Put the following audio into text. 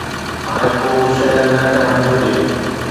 هاڻي ڪو به شهر نه ٺهڻ گهرجي